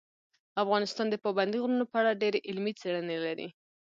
افغانستان د پابندي غرونو په اړه ډېرې علمي څېړنې لري.